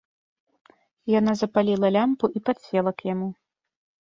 Яна запаліла лямпу і падсела к яму.